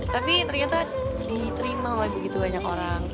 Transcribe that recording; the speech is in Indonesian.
tapi ternyata diterima oleh begitu banyak orang